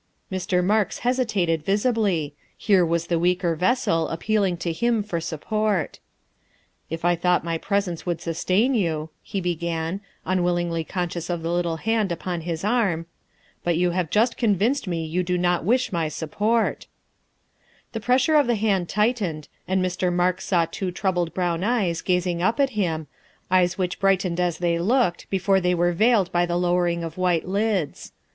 Mr. Marks hesitated visibly. Here was the weaker vessel appealing to him for support. " If I thought my presence would sustain you," he began, unwillingly conscious of the little hand upon his arm, "but you have just convinced me you do not wish my support. '' THE SECRETARY OF STATE 325 The pressure of the hand tightened, and Mr. Marks saw two troubled brown eyes gazing up at him, eyes which brightened as they looked before they were veiled by the lowering of white lids.